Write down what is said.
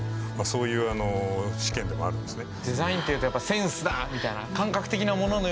そういう試験でもあるんですね。